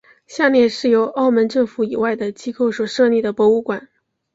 下列是由澳门政府以外的机构所设立的博物馆。